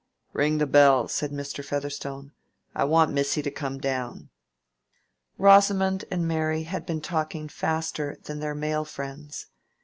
"Ring the bell," said Mr. Featherstone; "I want missy to come down." Rosamond and Mary had been talking faster than their male friends.